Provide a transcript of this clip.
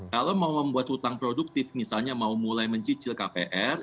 kalau mau membuat hutang produktif misalnya mau mulai mencicil kpr